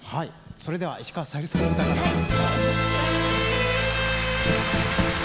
それでは石川さゆりさんの歌から。ね？